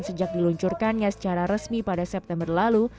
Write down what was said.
sejak diluncurkannya secara resmi pada september lalu